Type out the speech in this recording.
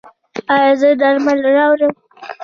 ایا زه درمل راوړم؟